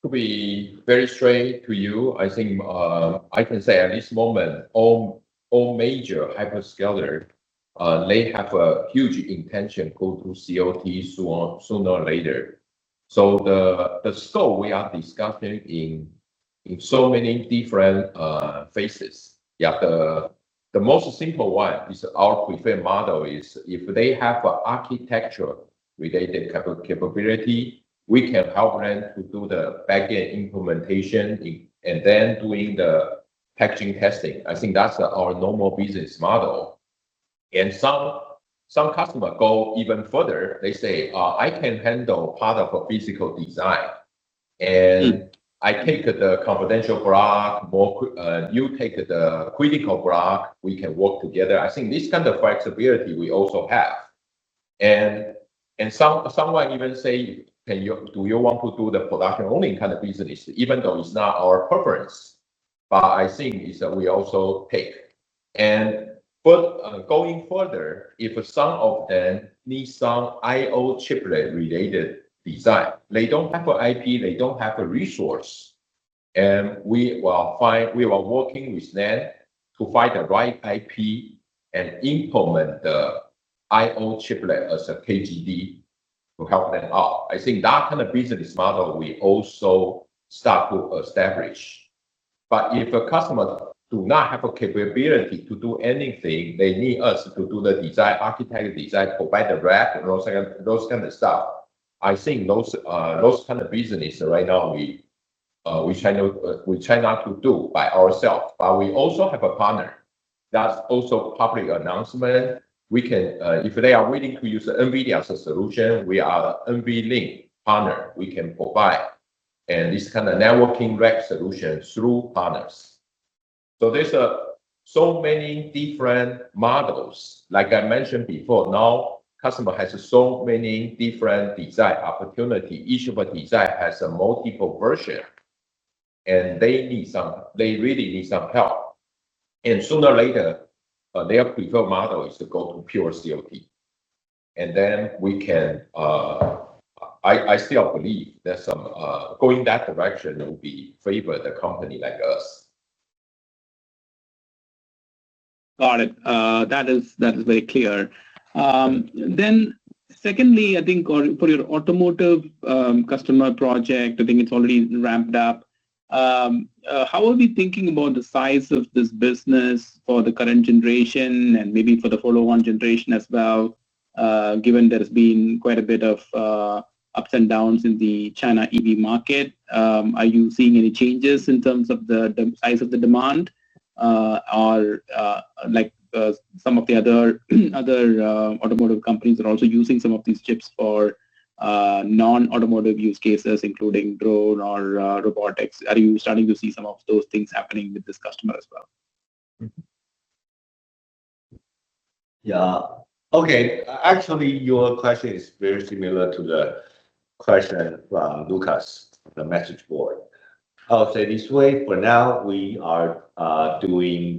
be very straight to you, I think, I can say at this moment, all major hyperscaler, they have a huge intention go to COT soon, sooner or later. We are discussing in so many different phases. Yeah. The most simple one is our preferred model is if they have a architecture related capability, we can help them to do the back-end implementation and then doing the packaging testing. I think that's our normal business model. Some customer go even further. They say, "I can handle part of a physical design. I take the confidential block, more, you take the critical block. We can work together. I think this kind of flexibility we also have. Some might even say, "Do you want to do the production only kind of business?" Even though it's not our preference, but I think is that we also take. But going further, if some of them need some I/O chiplet related design, they don't have a IP, they don't have the resource, we are working with them to find the right IP and implement the I/O chiplet as a KGD to help them out. I think that kind of business model we also start to establish. If a customer do not have a capability to do anything, they need us to do the design, architecture design, provide the rack and those kind of stuff, I think those kind of business right now, we try not to do by ourselves, but we also have a partner. That's also public announcement. We can, if they are willing to use NVIDIA as a solution, we are NVIDIA NVLink partner, we can provide. This kind of networking rack solution through partners. There's so many different models. Like I mentioned before, now customer has so many different design opportunity. Each of the design has a multiple version, and they really need some help. Sooner or later, their preferred model is to go to pure CoT. We can, I still believe that some, going that direction will be favor the company like us. Got it. That is very clear. Secondly, I think, or for your automotive customer project, I think it's already ramped up. How are we thinking about the size of this business for the current generation and maybe for the follow-on generation as well, given there's been quite a bit of ups and downs in the China EV market? Are you seeing any changes in terms of the size of the demand? Some of the other automotive companies are also using some of these chips for non-automotive use cases, including drone or robotics. Are you starting to see some of those things happening with this customer as well? Yeah. Okay. Actually, your question is very similar to the question from Lucas, the message board. I'll say this way, for now, we are doing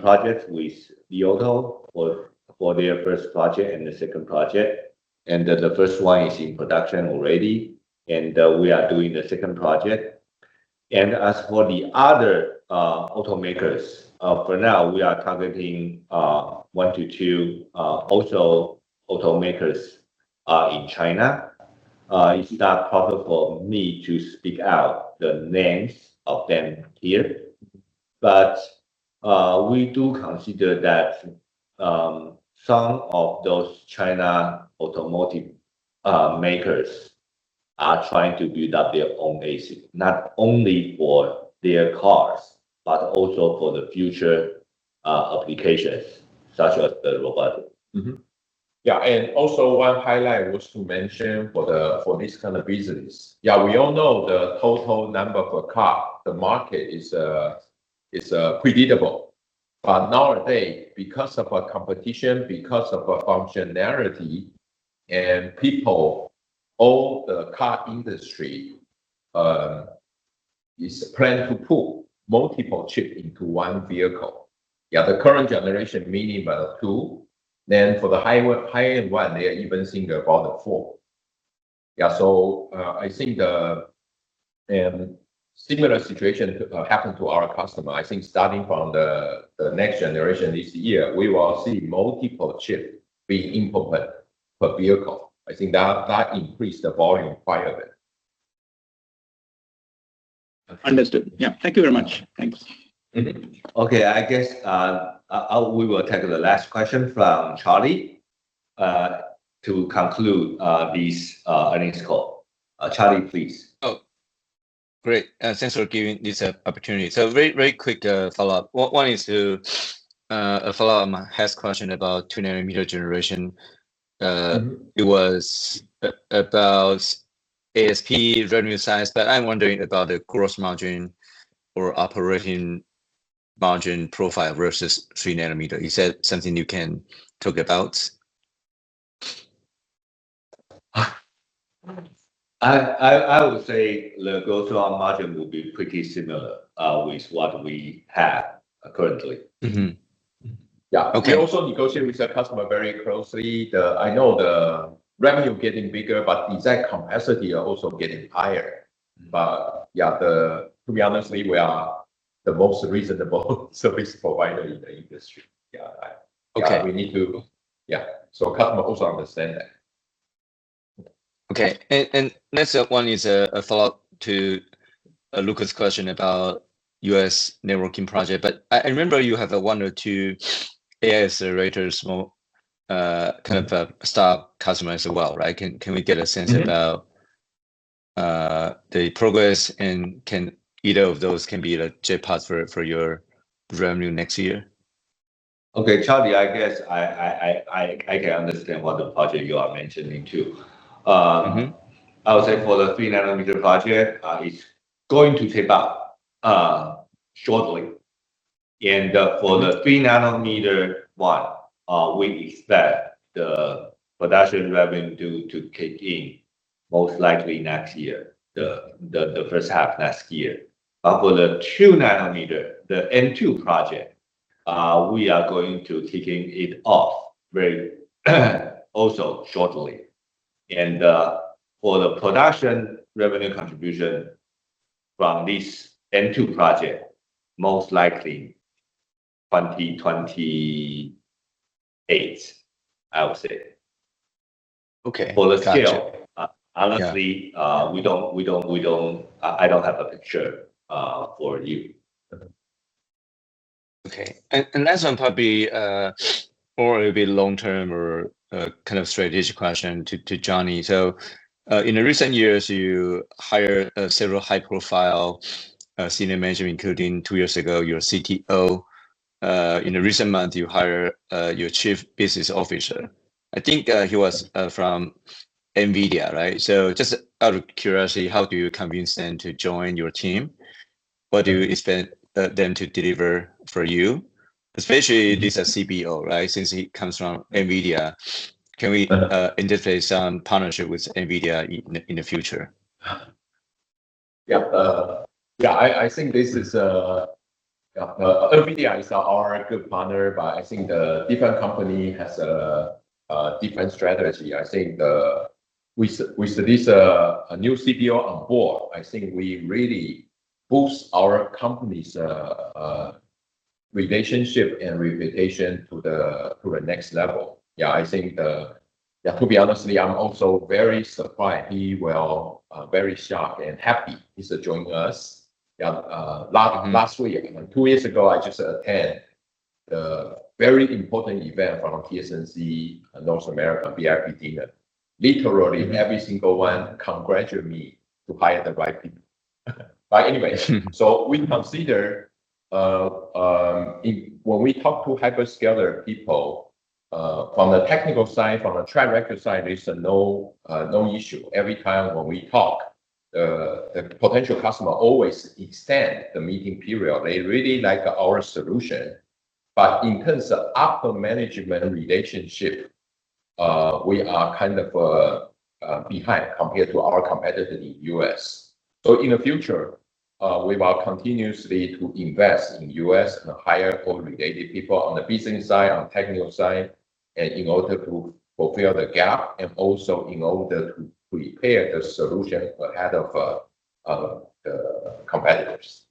projects with Li Auto for their first project and the second project, and the first one is in production already, and we are doing the second project. As for the other automakers, for now we are targeting one to two automakers in China. It's not proper for me to speak out the names of them here, but we do consider that some of those China automotive makers are trying to build up their own ASIC, not only for their cars, but also for the future applications such as the robotic. Yeah. One highlight was to mention for this kind of business. Yeah, we all know the total number of a car. The market is predictable. Nowadays, because of a competition, because of a functionality, and people, all the car industry is planned to put multiple chip into one vehicle. Yeah. The current generation, minimum of two. For the higher end one, they are even thinking about four. Yeah. I think similar situation happened to our customer. I think starting from the next generation this year, we will see multiple chip being implemented per vehicle. I think that increase the volume quite a bit. Understood. Yeah. Thank you very much. Thanks. Okay. I guess, we will take the last question from Charlie to conclude this earnings call. Charlie, please. Oh, great. Thanks for giving this opportunity. Very, very quick follow-up. One is to a follow-up on Haas question about 2 nm generation. it was about ASP revenue size, but I'm wondering about the gross margin or operating margin profile versus 3 nm. Is that something you can talk about? I would say the gross margin will be pretty similar with what we have currently. Yeah. Okay. We also negotiate with the customer very closely. I know the revenue getting bigger, but the exact capacity are also getting higher. Yeah, to be honest, we are the most reasonable service provider in the industry. Yeah. Okay Yeah. Customer also understand that. Okay. Next one is a follow-up to Lucas question about U.S. networking project. I remember you have one or two AI accelerators, more kind of start customers as well, right? Can we get a sense about? The progress? Can either of those be the jackpot for your revenue next year? Okay, Charlie, I guess I can understand what the project you are mentioning too. I would say for the 3 nm project, it's going to take off shortly. For the 3 nm one, we expect the production revenue to kick in most likely next year, the first half next year. For the 2 nm, the N2 project, we are going to kicking it off very also shortly. For the production revenue contribution from this N2 project, most likely 2028, I would say. Okay. For the scale- Yeah Honestly, I don't have a picture for you. Okay. Last one probably more will be long-term or kind of strategic question to Johnny. In the recent years, you hire several high-profile senior management, including two years ago, your CTO. In the recent month, you hire your Chief Business Officer. I think he was from NVIDIA, right? Just out of curiosity, how do you convince them to join your team? What do you expect them to deliver for you? Especially this CBO, right? Since he comes from NVIDIA, can we interface some partnership with NVIDIA in the future? Yeah. I think this is NVIDIA is our good partner. I think the different company has a different strategy. I think, with this new CBO on board, I think we really boost our company's relationship and reputation to the next level. I think, to be honestly, I'm also very surprised. He well, very shocked and happy he's joining us. Last week. Two years ago, I just attend the very important event from TSMC and North America VIP dinner. Every single one congratulate me to hire the right people. When we talk to hyperscaler people, from the technical side, from the track record side, there's no issue. Every time when we talk, the potential customer always extend the meeting period. They really like our solution. In terms of upper management relationship, we are kind of behind compared to our competitor in U.S. In the future, we will continuously to invest in U.S. and hire more related people on the business side, on technical side, and in order to fulfill the gap and also in order to prepare the solution ahead of competitors.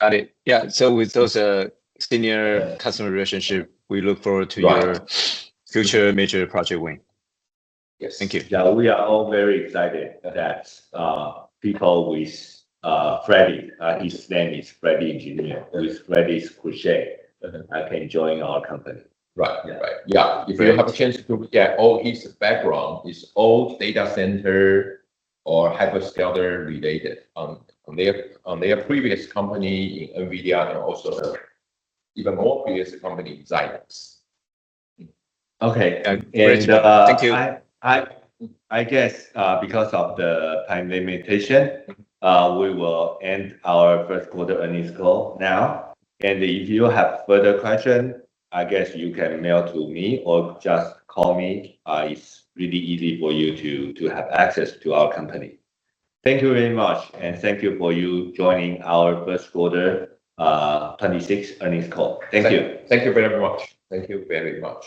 Got it. Yeah. With those senior customer relationship, we look forward to future major project win. Yes. Thank you. Yeah. We are all very excited that people with Freddy, his name is Freddy Engineer, with Freddy's cliche can join our company. Right. Yeah. Right. Yeah. If you have a chance to look at all his background, his old data center or hyperscaler related on their previous company in NVIDIA and also even more previous company in Xilinx. Okay. I guess, because of the time limitation, we will end our first quarter earnings call now. If you have further question, I guess you can email to me or just call me. It's really easy for you to have access to our company. Thank you very much, and thank you for you joining our first quarter 2026 earnings call. Thank you. Thank you very much. Thank you very much